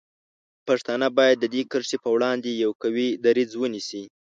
پښتانه باید د دې کرښې په وړاندې یو قوي دریځ ونیسي.